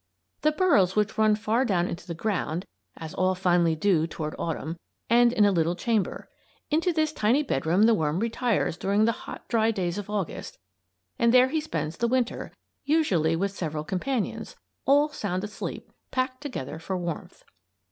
The burrows which run far down into the ground, as all finally do toward Autumn, end in a little chamber. Into this tiny bedroom the worm retires during the hot, dry days of August and there he spends the Winter usually with several companions, all sound asleep, packed together for warmth.